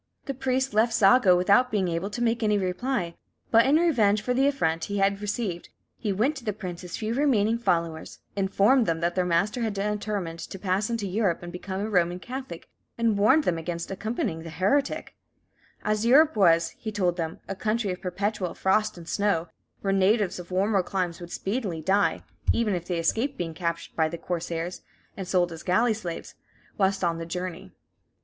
The priest left Zaga without being able to make any reply; but in revenge for the affront he had received, he went to the prince's few remaining followers, informed them that their master had determined to pass into Europe and become a Roman Catholic, and warned them against accompanying the heretic; as Europe was, he told them, a country of perpetual frost and snow, where natives of warmer climes would speedily die, even if they escaped being captured by the corsairs, and sold as galley slaves, whilst on the journey.